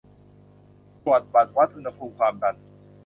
ตรวจบัตร วัดอุณหภูมิความดัน